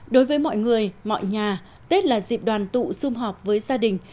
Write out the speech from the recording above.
đối với mọi người mọi nhà tết là dịp đoàn tụ xung họp với gia đình